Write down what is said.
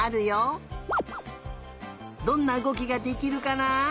どんなうごきができるかな？